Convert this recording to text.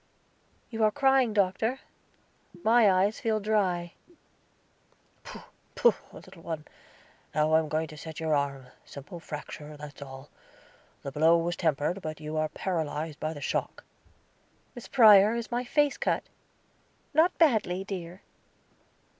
"You are crying, Doctor; my eyes feel dry." "Pooh, pooh, little one. Now I am going to set your arm; simple fracture, that's all. The blow was tempered, but you are paralyzed by the shock." "Miss Prior, is my face cut?" "Not badly, my dear."